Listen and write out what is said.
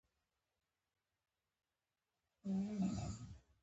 ورپسې برخه د مخورو مشرانو ویناوي وې.